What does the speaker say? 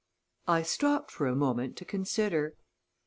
I stopped a moment to consider.